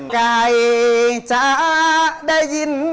ใกล้จากได้ยิน